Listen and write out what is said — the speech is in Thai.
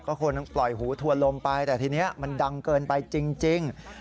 ก็คงต้องปล่อยหูทัวร์ลมไปแต่ทีนี้มันดังเกินไปจริง